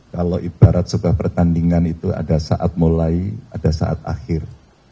kalau ibarat sebuah pertandingan itu ada saat mulai ada saat akhir